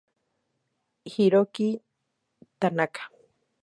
Hiroki Tanaka